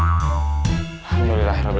usadz gantian sama mister usadz